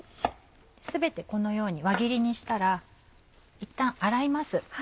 全てこのように輪切りにしたらいったん洗います。